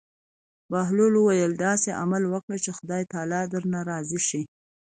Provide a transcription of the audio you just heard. بهلول وویل: داسې عمل وکړه چې خدای تعالی درنه راضي شي.